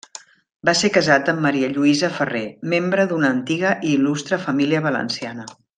Va ser casat amb Maria Lluïsa Ferrer, membre d'una antiga i il·lustre família valenciana.